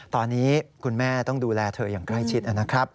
ตอนนี้คุณแม่ต้องดูแลเธออย่างใกล้ชิดนะครับ